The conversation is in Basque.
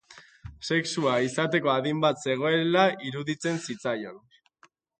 Sexua izateko adin bat zegoela iruditzen zitzaion.